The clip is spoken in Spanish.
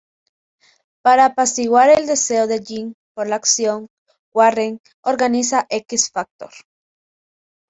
Para apaciguar el deseo de Jean por la acción, Warren organiza X-Factor.